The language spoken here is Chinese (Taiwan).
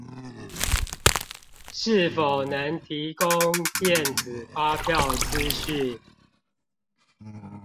是否能提供電子發票資訊